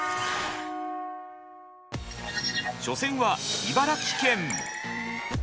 初戦は茨城県！